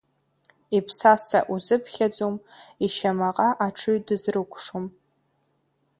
Иԥсаса узыԥхьаӡом, ишьамаҟа аҽыҩ дызрыкәшом.